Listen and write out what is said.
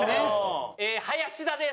林田です。